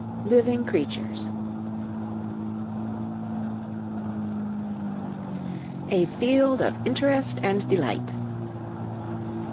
'LIVING CREATURES' A Field of Interest and Delight.